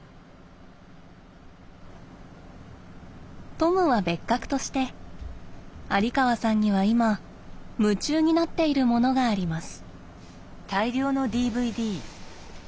トムは別格として有川さんには今夢中になっているものがあります。